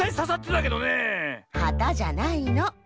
はたじゃないの。